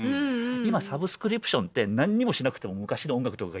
今サブスクリプションって何にもしなくても昔の音楽とかが山ほど聴けるっていう。